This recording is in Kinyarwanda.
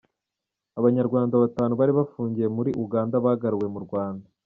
Abanyarwanda batanu bari bafungiye muri Uganda bagaruwe mu Rwanda .